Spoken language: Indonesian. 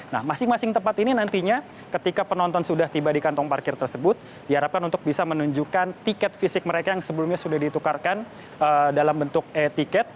nah masing masing tempat ini nantinya ketika penonton sudah tiba di kantong parkir tersebut diharapkan untuk bisa menunjukkan tiket fisik mereka yang sebelumnya sudah ditukarkan dalam bentuk tiket